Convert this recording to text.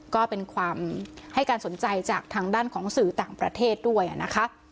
ก็เป็นความให้การสนใจจากทางด้านของสื่อต่างประเทศด้วยนะคะ